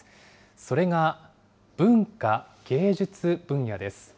それが文化・芸術分野です。